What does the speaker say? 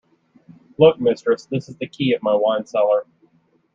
Look, mistress, this is the key of my wine-cellar.